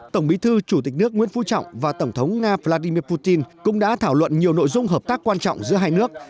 tổng bí thư chủ tịch nước nguyễn phú trọng và tổng thống nga vladimir putin cũng đã thảo luận nhiều nội dung hợp tác quan trọng giữa hai nước